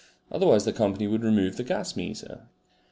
Otherwise the company would remove the gas meter.